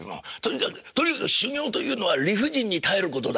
「とにかく修業というのは理不尽に耐えることだ」って。